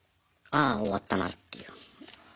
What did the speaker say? ああ終わったなっていう。